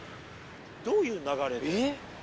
どういう流れで？